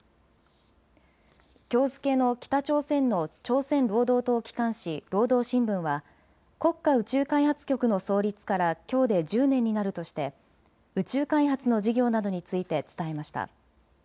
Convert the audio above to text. きょう付けの北朝鮮の朝鮮労働党機関紙、労働新聞は国家宇宙開発局の創立からきょうで１０年になるとして宇宙開発の事業などについて伝えました。